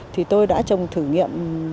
thì tôi đã trồng thử nghiệm